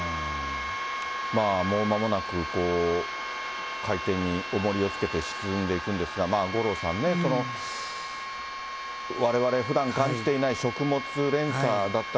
もうまもなく海底におもりをつけて沈んでいくんですが、五郎さんね、われわれ、ふだん感じていない食物連鎖だったり。